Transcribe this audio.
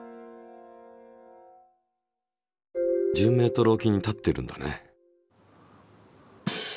１０ｍおきに立ってるんだね。